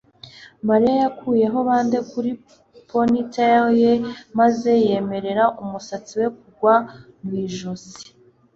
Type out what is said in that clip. Mariya yakuyeho bande kuri ponytail ye maze yemerera umusatsi we kugwa mu ijosi